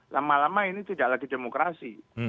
lama lama ini tidak lagi demokrasi